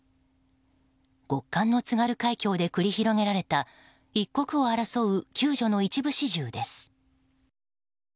極寒の津軽海峡で繰り広げられた一刻を争う救助の一部始終です。